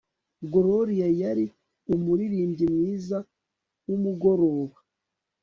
gloria yari umuririmbyi mwiza wumugoroba